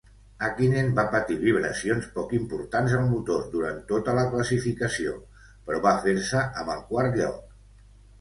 Hakkinen va patir vibracions poc importants al motor durant tota la classificació, però va fer-se amb el quart lloc.